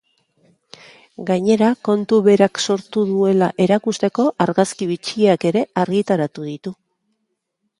Gainera, kontua berak sortu duela erakusteko argazki bitxiak ere argitaratu ditu.